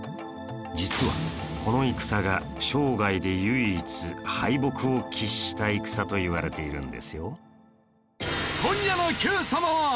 実はこの戦が生涯で唯一敗北を喫した戦といわれているんですよ